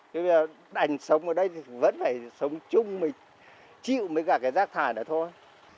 thế bây giờ đành sống ở đây thì vẫn phải sống chung mà chịu với cả cái rác thải này thôi